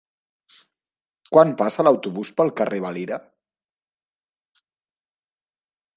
Quan passa l'autobús pel carrer Valira?